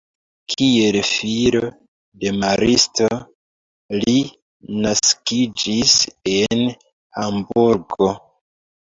Kiel filo de maristo li naskiĝis en Hamburgo.